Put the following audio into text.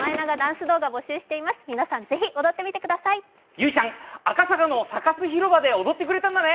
ゆいちゃん、赤坂のサカス広場で踊ってくれたんだね。